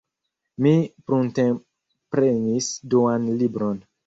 Mi prunteprenis duan libron.